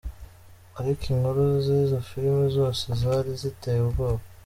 Ariko inkuru z’izo filime zose zari ziteye ubwoba.